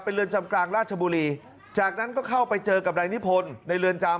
เรือนจำกลางราชบุรีจากนั้นก็เข้าไปเจอกับนายนิพนธ์ในเรือนจำ